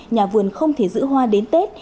nhà vườn không thể giữ hoa đến tết